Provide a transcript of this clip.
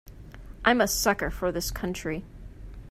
I'm a sucker for this country.